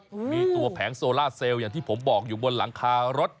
อืมมีตัวแผงโซล่าเซลล์อย่างที่ผมบอกอยู่บนหลังคารถ